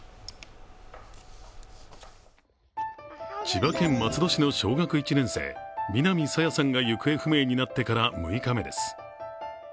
千葉県松戸市の小学１年生、南朝芽さんが行方不明になってから６日目です。